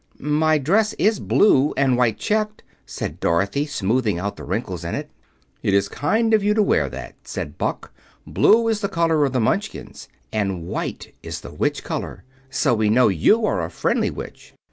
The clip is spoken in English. "My dress is blue and white checked," said Dorothy, smoothing out the wrinkles in it. "It is kind of you to wear that," said Boq. "Blue is the color of the Munchkins, and white is the witch color. So we know you are a friendly witch."